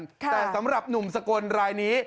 แต่สำหรับหนุ่มสกลรายนี้